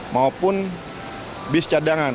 maupun bis cadangan